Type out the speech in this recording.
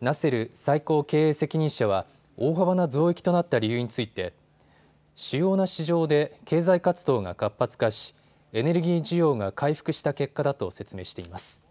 ナセル最高経営責任者は大幅な増益となった理由について主要な市場で経済活動が活発化しエネルギー需要が回復した結果だと説明しています。